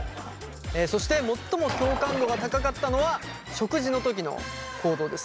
そして最も共感度が高かったのは食事のときの行動です。